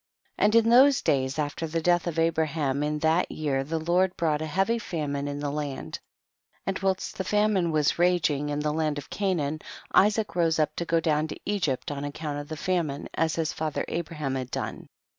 And in those days, after the death of Abraham, in that year the Lord brought a heavy famine in the land, and whilst the famine was ra ging in the land of Canaan, Isaac rose up to go down to Egypt on ac count of the famine, as his father Abraham had done.